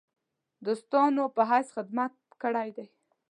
دوستانو په حیث خدمت کړی دی.